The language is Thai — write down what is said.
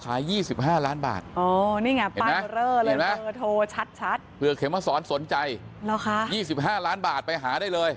ขายยี่สิบห้าล้านบาทโอ้นี่ไงโทรชัดเผื่อเข็มมาสอนสนใจรอค่ะยี่สิบห้าล้านบาทไปหาได้เลย